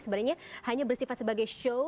sebenarnya hanya bersifat sebagai show